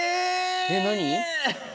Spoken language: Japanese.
えっ何？